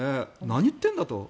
何言ってんだと。